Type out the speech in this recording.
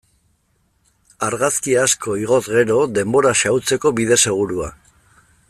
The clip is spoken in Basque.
Argazki asko igoz gero, denbora xahutzeko bide segurua.